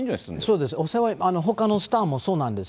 そうです、ほかのスターもそうなんです。